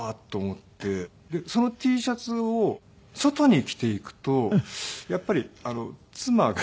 でそのＴシャツを外に着ていくとやっぱり妻が。